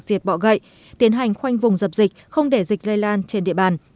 diệt bọ gậy tiến hành khoanh vùng dập dịch không để dịch lây lan trên địa bàn